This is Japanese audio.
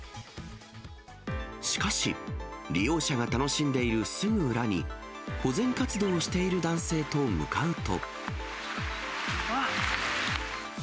しかし、利用者が楽しんでいるすぐ裏に、保全活動をしている男性と向かうと。